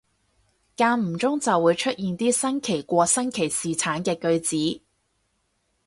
間唔中就會出現啲新奇過新奇士橙嘅句子